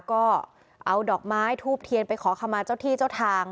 ก็เอาดอกไม้ทูบเทียนไปขอคำมาเจ้าที่เจ้าทาง